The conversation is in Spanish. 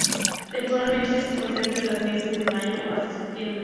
Temporalmente se concentra en los meses de mayo hasta septiembre.